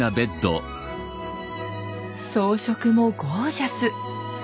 装飾もゴージャス！